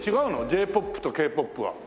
Ｊ−ＰＯＰとＫ−ＰＯＰは。